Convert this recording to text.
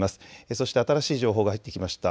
そして新しい情報が入ってきました。